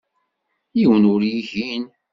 Yiwen ur igin.